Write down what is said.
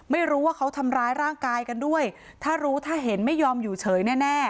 ไม่รู้ว่าเขาทำร้ายร่างกายกันด้วยถ้ารู้ถ้าเห็นไม่ยอมอยู่เฉยแน่